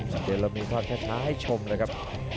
เกมเรามีภาพช้าให้ชมนะครับ